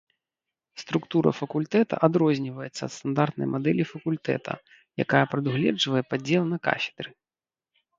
Структура факультэта адрозніваецца ад стандартнай мадэлі факультэта, якая прадугледжвае падзел на кафедры.